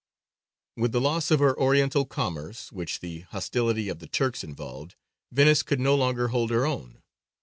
With the loss of her Oriental commerce, which the hostility of the Turks involved, Venice could no longer hold her own.